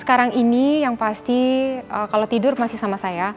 sekarang ini yang pasti kalau tidur masih sama saya